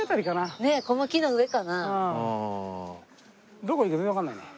どこにいるか全然わからないね。